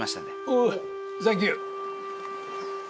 おおサンキュー。